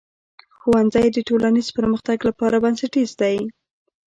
ښوونځی د ټولنیز پرمختګ لپاره بنسټیز دی.